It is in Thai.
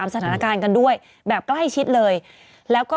มีสารตั้งต้นเนี่ยคือยาเคเนี่ยใช่ไหมคะ